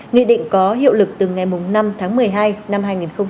nghị định có hiệu lực từ ngày năm tháng một mươi hai năm hai nghìn hai mươi